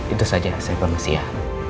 itu saja saya permisi ya